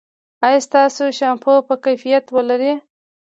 ایا ستاسو شامپو به کیفیت ولري؟